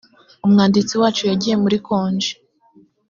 umwanditsi wacu yagiye muri konji